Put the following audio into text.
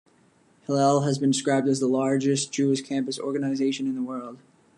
Hillel has been described as the largest Jewish campus organization in the world.